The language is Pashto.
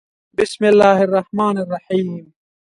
《بِسْمِ اللَّـهِ الرَّحْمَـٰنِ الرَّحِيمِ》